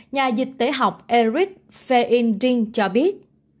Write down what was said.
nhà dịch tế học eric feindring cho biết